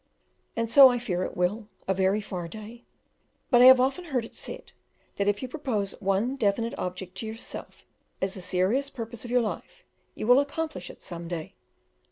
And so I fear it will a very far day; but I have often heard it said, that if you propose one definite object to yourself as the serious purpose of your life, you will accomplish it some day.